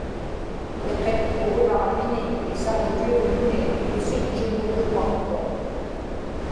iqitquuramiñiñ isagutivluni kisitchiŋulugaqtuq